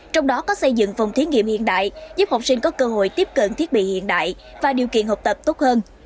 trong đó có xây dựng phòng thí nghiệm hiện đại giúp học sinh có cơ hội tiếp cận thiết bị hiện đại và điều kiện học tập tốt hơn